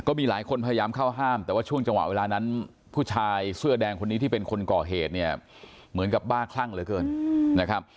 มีหลายคนพยายามเข้าห้ามแต่ว่าช่วงจังหวะเวลานั้นผู้ชายเสื้อแดงคนนี้ที่เป็นคนก่อเหตุเนี่ยเหมือนกับบ้าคลั่งเหลือเกินนะครับ